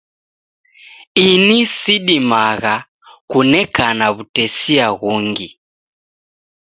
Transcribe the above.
Ini sidimagha kunekana wutesia ghungi